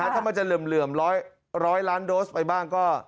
ถ้ามันจะเหลื่อม๑๐๐ล้านโดสไปบ้างก็